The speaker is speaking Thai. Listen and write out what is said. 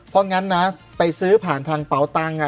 เพราะงั้นนะไปซื้อผ่านทางเป๋าตังค์